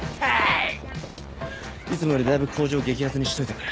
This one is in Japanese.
いつもよりだいぶ口上激アツにしといたから。